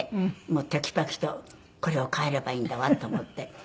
もうテキパキとこれを変えればいいんだわと思って。